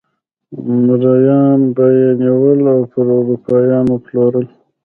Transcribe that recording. مریان به یې نیول او پر اروپایانو پلورل.